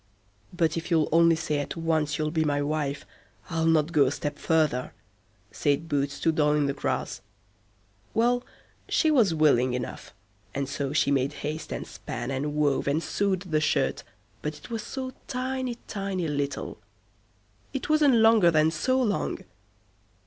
"But if you'll only say at once you'll be my wife, I'll not go a step further", said Boots to Doll i' the Grass. Well, she was willing enough, and so she made haste and span, and wove, and sewed the shirt, but it was so tiny, tiny little. It wasn't longer than so————long.